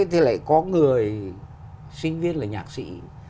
thì lại có người sinh viên là nhạc sĩ